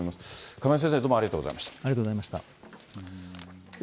亀井先生、どうもありがとうござありがとうございました。